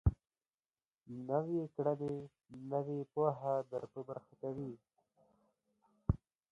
نويې کړنې نوې پوهه در په برخه کوي.